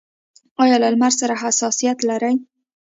ایا له لمر سره حساسیت لرئ؟